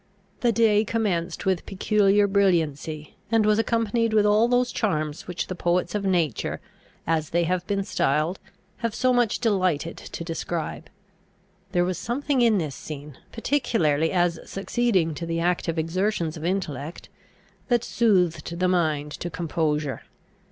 The day commenced with peculiar brilliancy, and was accompanied with all those charms which the poets of nature, as they have been styled, have so much delighted to describe. There was something in this scene, particularly as succeeding to the active exertions of intellect, that soothed the mind to composure.